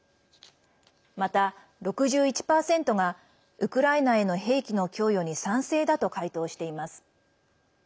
また６１％がウクライナへの兵器の供与に賛成だと回答しています。